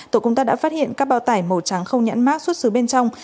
tổ công tác đã phát hiện các bao tải màu trắng không nhãn mát xuất xứ bên trong